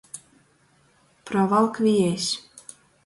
Provalk viejs.